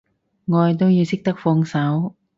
愛都要識得放手